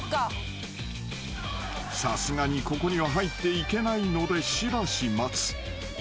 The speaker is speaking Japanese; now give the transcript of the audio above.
［さすがにここには入っていけないのでしばし待つ］